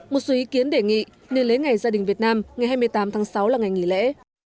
một số ý kiến đề nghị nên lấy ngày gia đình việt nam ngày hai mươi tám tháng sáu là ngày nghỉ lễ